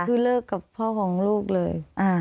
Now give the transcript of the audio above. คือเลิกกับพ่อของลูกเลย